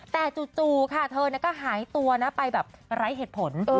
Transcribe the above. แต่จู่ค่ะเธอก็หายตัวนะไปแบบไร้เหตุผล